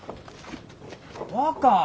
若！